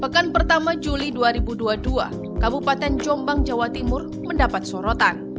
pekan pertama juli dua ribu dua puluh dua kabupaten jombang jawa timur mendapat sorotan